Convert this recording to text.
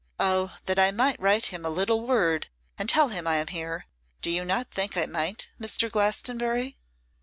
Oh! that I might write him a little word, and tell him I am here! Do not you think I might, Mr. Glastonbury?